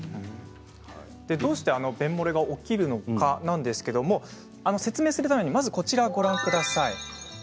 どうして便もれが起きるのかなんですが説明するためにこちらをご覧ください。